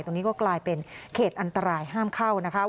ตรงนี้ก็กลายเป็นเขตอันตรายห้ามเข้านะคะ